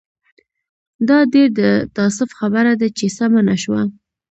دا ډېر د تاسف خبره ده چې سمه نه شوه.